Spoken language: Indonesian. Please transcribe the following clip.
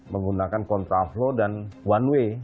menggunakan kontra flow dan one way